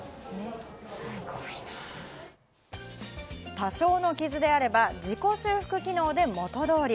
多少の傷であれば自己修復機能で元通り。